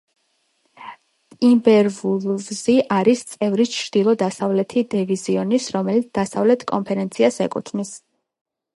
ტიმბერვულვზი არის წევრი ჩრდილო-დასავლეთი დივიზიონის, რომელიც დასავლეთ კონფერენციას ეკუთვნის.